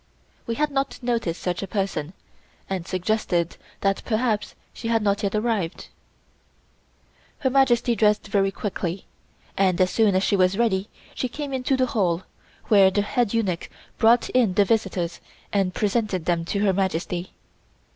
We had not noticed such a person, and suggested that perhaps she had not yet arrived. Her Majesty dressed very quickly, and as soon as she was ready she came into the hall, where the head eunuch brought in the visitors and presented them to Her Majesty.